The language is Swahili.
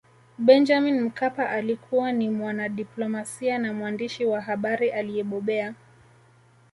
benjamin mkapa alikuwa ni mwanadiplomasia na mwandishi wa habari aliyebobea